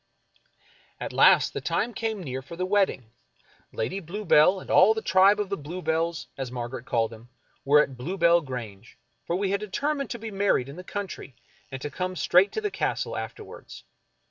At last the time came near for the wedding. Lady Blue bell and all the tribe of Bluebells, as Margaret called them, were at Bluebell Grange, for we had determined to be mar ried in the country, and to come straight to the Castle after wards.